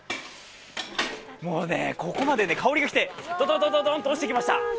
もうね、ここまで香りがきて、どんどんどんと落ちてきました。